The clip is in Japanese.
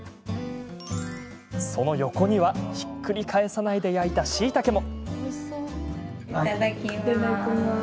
その横にはひっくり返さないで焼いたしいたけも。